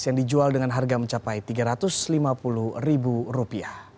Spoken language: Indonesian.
yang dijual dengan harga mencapai rp tiga ratus lima puluh